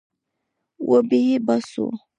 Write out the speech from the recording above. وبې يې باسو.